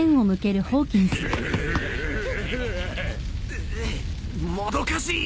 ぐっもどかしい。